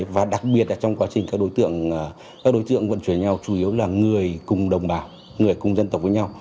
và đặc biệt trong quá trình các đối tượng vận chuyển nhau chủ yếu là người cùng đồng bào người cùng dân tộc với nhau